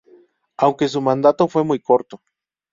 Aunque su mandato fue muy corto.